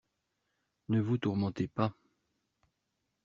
Ne vous tourmentez pas.